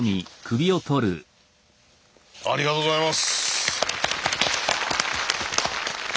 ありがとうございます。